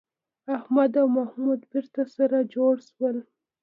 احمد او محمود بېرته سره جوړ شول.